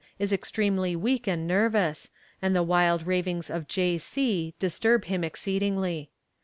is extremely weak and nervous, and the wild ravings of J. C. disturb him exceedingly.